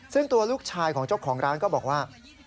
ซึ่งตัวลูกชายของเจ้าของร้านก็บอกว่า